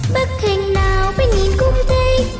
bức ảnh nào bé nhìn cũng thích